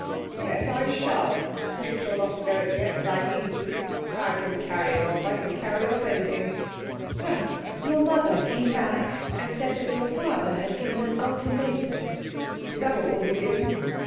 'Yes, I shall; Mitchell doesn't know it yet, but I mean to. I can carry it off. I can carry off anything.' 'Well, your mother came back and said that your father had given an ultimatum.' 'Is that all he's given?'